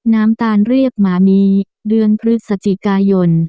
น้ำตาลเรียกหมามีเดือนพฤศจิกายน